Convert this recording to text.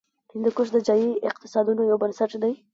هندوکش د ځایي اقتصادونو یو بنسټ دی.